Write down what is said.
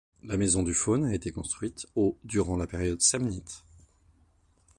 La Maison du Faune a été construite au durant la période Samnite.